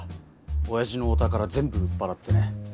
おやじのお宝全部売っぱらってね。